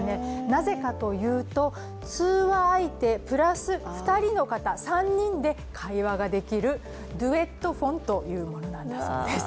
なぜかというと通話相手プラス２人の方、３人で会話ができるデュエットフォンというものなんだそうです。